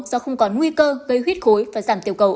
do không còn nguy cơ gây huyết khối và giảm tiểu cầu